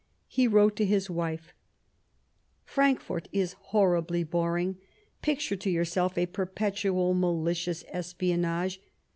He wrote to his wife :" Frankfort is horribly boring. Picture to your self a perpetual m.alicious espionage.